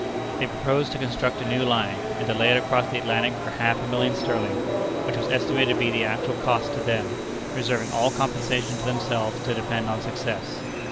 They proposed to construct a new line, and to lay it across the Atlantic for half a million sterling, which was estimated to be the actual cost to them, reserving all compensation to themselves to depend on success.